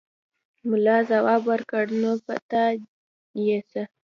ملا ځواب ورکړ: نو په تا يې څه!